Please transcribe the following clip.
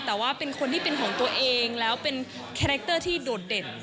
แต่ว่าเป็นคนที่เป็นของตัวเองแล้วเป็นคาแรคเตอร์ที่โดดเด่น